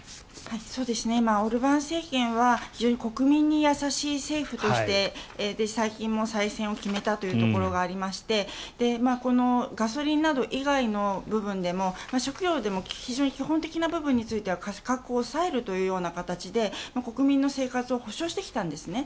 オルバン政権は非常に国民に優しい政府でして最近も再選を決めたというところがありましてガソリンなど以外の部分でも食料でも非常に基本的な部分については価格を抑えるという形で国民の生活を保障してきたんですね。